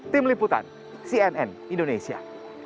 tim liputan cnn indonesia